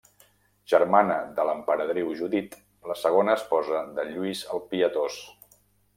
Germana de l'emperadriu Judit, la segona esposa de Lluís el Pietós.